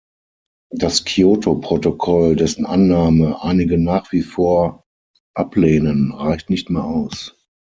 Das Kyoto-Protokoll, dessen Annahme einige nach wie vor ablehnen, reicht nicht mehr aus.